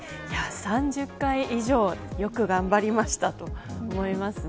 ３０回以上よく頑張りましたと思いますね。